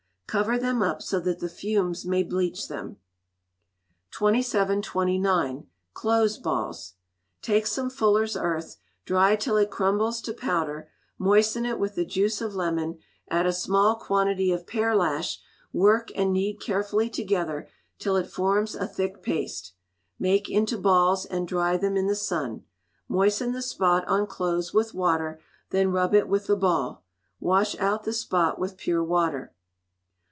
Cover them up, so that the fumes may bleach them. 2729. Clothes Balls. Take some fullers' earth, dried till it crumbles to powder: moisten it with the juice of lemon, add a small quantity of pearlash, work and knead carefully together till it forms a thick paste; make into balls, and dry them in the sun. Moisten the spot on clothes with water, then rub it with the ball. Wash out the spot with pure water.